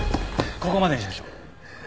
ここまでにしましょう。